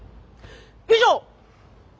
以上！